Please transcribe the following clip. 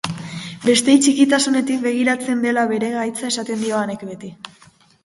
Besteei txikitasunetik begiratzea dela bere gaitza esaten dio Anek beti.